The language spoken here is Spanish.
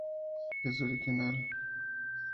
En original, "Надрывы".